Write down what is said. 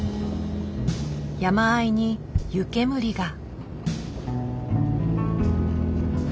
山あいに湯煙が。